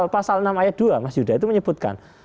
pasal enam ayat dua mas yuda itu menyebutkan